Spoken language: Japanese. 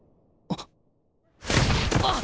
あっ！